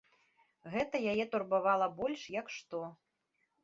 Гэта яе турбавала больш як што.